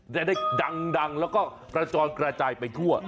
แล้วเราก็กระจ่อนกระจ่ายไปทั่ว